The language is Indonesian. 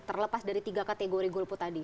terlepas dari tiga kategori goal put tadi